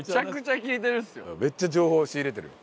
めっちゃ情報を仕入れてる。